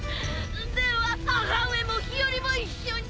では母上も日和も一緒に！